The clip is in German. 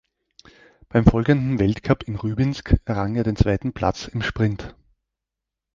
Beim folgenden Weltcup in Rybinsk errang er den zweiten Platz im Sprint.